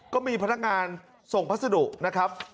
ก็มีพนักงานส่งพัสดุนะครับ